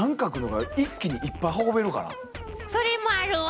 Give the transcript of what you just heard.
それもあるわ！